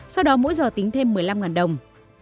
sau đó mỗi giờ tính thêm một mươi năm đồng